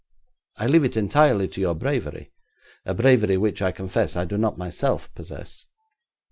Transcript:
I leave it entirely to your bravery; a bravery which, I confess, I do not myself possess.